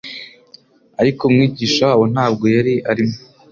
ariko Umwigisha wabo ntabwo yari arimo.